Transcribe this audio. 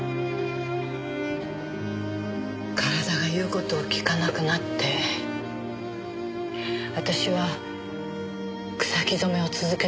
体がいう事をきかなくなって私は草木染めを続けていく事を諦めかけてた。